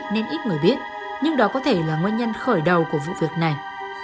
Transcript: nên ít người biết nhưng đó có thể là nguyên nhân khởi đầu của vụ việc này